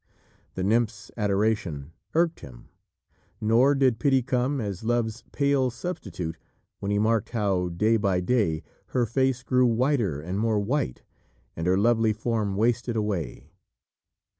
The nymph's adoration irked him, nor did pity come as Love's pale substitute when he marked how, day by day, her face grew whiter and more white, and her lovely form wasted away.